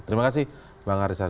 terima kasih bang arief sazer